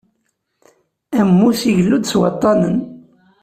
Ammus igellu-d s waṭṭanen.